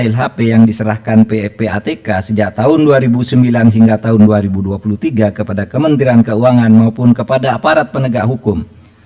lhp yang diserahkan ppatk sejak tahun dua ribu sembilan hingga tahun dua ribu dua puluh tiga kepada kementerian keuangan maupun kepada aparat penegak hukum